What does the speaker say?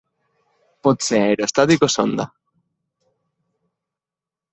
Pot ser aerostàtic o sonda.